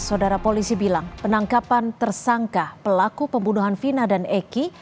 saudara polisi bilang penangkapan tersangka pelaku pembunuhan vina dan eki